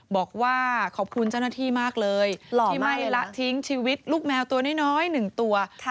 บอกว่าขอบคุณเจ้าหน้าที่มากเลยที่ไม่ละทิ้งชีวิตลูกแมวตัวน้อย๑ตัว